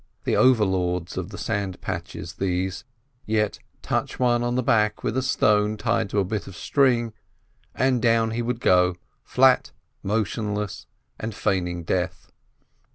The overlords of the sand patches, these; yet touch one on the back with a stone tied to a bit of string, and down he would go flat, motionless and feigning death.